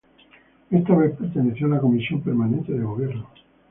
Esta vez perteneció a la Comisión permanente de Gobierno.